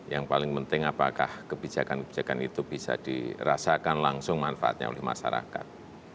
yang paling penting apakah kebijakan kebijakan itu bisa dirasakan langsung manfaatnya oleh masyarakat